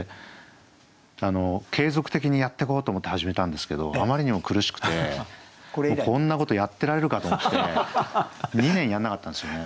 継続的にやってこうと思って始めたんですけどあまりにも苦しくて「こんなことやってられるか」と思って２年やんなかったんですよね。